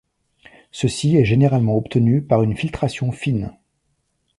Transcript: Ceci est généralement obtenu par une filtration fine.